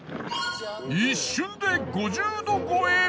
一瞬で５０℃超え。